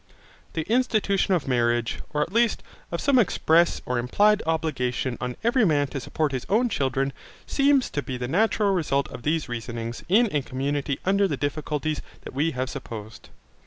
The institution of marriage, or at least, of some express or implied obligation on every man to support his own children, seems to be the natural result of these reasonings in a community under the difficulties that we have supposed.